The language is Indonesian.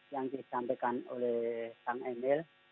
yang disampaikan oleh pak emel